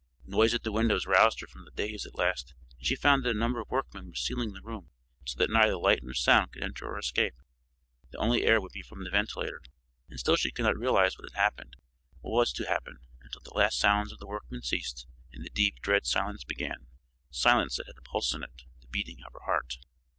Noise at the windows roused her from the daze at last and she found that a number of workmen were sealing the room so that neither light nor sound could enter or escape. The only air would be from the ventilator. And still she could not realize what had happened, what was to happen, until the last sounds of the workmen ceased and the deep, dread silence began; silence that had a pulse in it the beating of her heart.